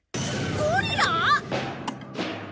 ゴリラ！？